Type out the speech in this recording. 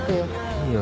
いいよ